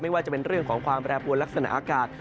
ว่าจะเป็นเรื่องของความแปรปวนลักษณะอากาศ